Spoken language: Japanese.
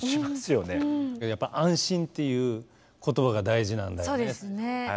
やっぱ「安心」っていう言葉が大事なんだよね。